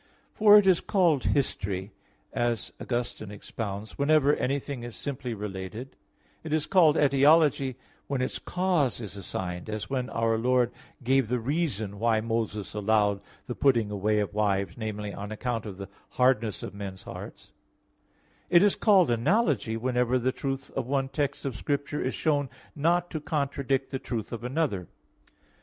For it is called history, as Augustine expounds (Epis. 48), whenever anything is simply related; it is called etiology when its cause is assigned, as when Our Lord gave the reason why Moses allowed the putting away of wives namely, on account of the hardness of men's hearts; it is called analogy whenever the truth of one text of Scripture is shown not to contradict the truth of another.